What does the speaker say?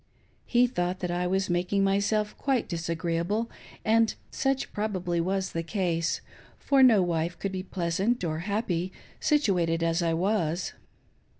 He thought that I was making myself quite disagreeable, and such probably was the case, for no wife could be pleasant or happy, situated as I was.